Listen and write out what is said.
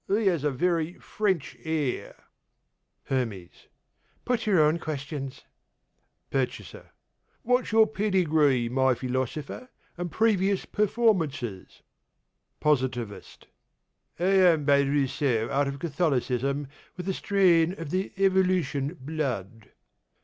he has a very French air. HERMES: Put your own questions. PURCHASER: What's your pedigree, my Philosopher, and previous performances? POSITIVIST: I am by Rousseau out of Catholicism, with a strain of the Evolution blood.